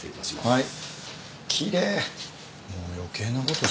はい。